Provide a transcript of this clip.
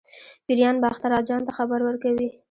پیریان باختر اجان ته خبر ورکوي.